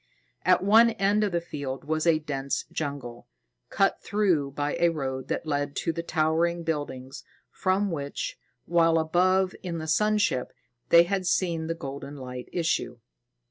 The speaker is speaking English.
At one end of the field was a dense jungle, cut through by a road that led to the towering building from which, while above in the sun ship, they had seen the golden light issue.